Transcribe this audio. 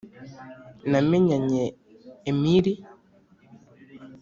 namenyanye emili